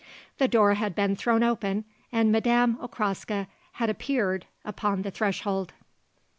The door had been thrown open and Madame Okraska had appeared upon the threshold.